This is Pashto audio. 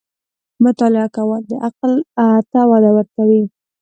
• مطالعه کول، د عقل ته وده ورکوي.